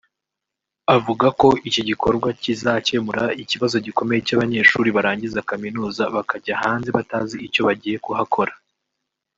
avuga ko iki gikorwa kizakemura ikibazo gikomeye cy’abanyeshuri barangiza kaminuza bakajya hanze batazi icyo bagiye kuhakora